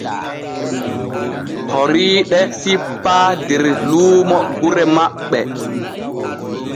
Horiiɗe sippaa der luumo gure maɓɓe.